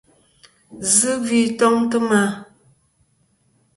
Zɨ gvi toŋtɨ ma.